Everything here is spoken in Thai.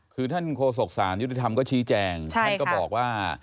คือท่านโฆษกศาลยุติธรรมก็ชี้แจงท่านก็บอกว่า